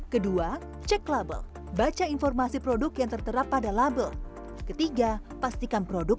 kedua cek label baca informasi produk yang tertera pada label ketiga pastikan produk